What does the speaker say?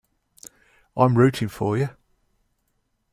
I'm rooting for you!.